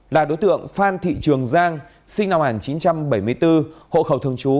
là đối tượng phan thị trường giang sinh năm một nghìn chín trăm bảy mươi bốn hộ khẩu thường trú